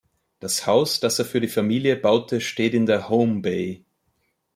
Das Haus, das er für die Familie baute, steht in der Home Bay.